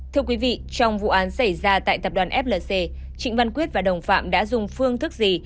thưa quý vị trong vụ án xảy ra tại tập đoàn flc trịnh văn quyết và đồng phạm đã dùng phương thức gì